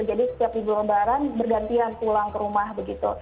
lalu di luar lebaran bergantian pulang ke rumah begitu